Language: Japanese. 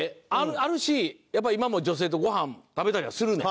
あるしやっぱ今も女性とご飯食べたりはするねん。